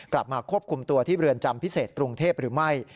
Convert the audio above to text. กลับมาควบคุมตัวที่เรือนจำพิเศษกรุงเทพหรือไม่